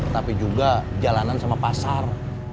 tapi juga jalanan sama pasar